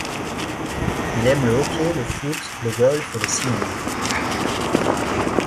Il aime le hockey, le foot, le golf et le cinéma.